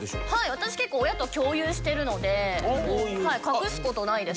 私結構親と共有してるので隠す事ないです